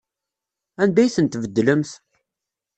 Anda ay tent-tbeddlemt?